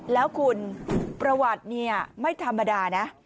แล้วคุณประวัติเนี่ยไม่ธรรมดานะ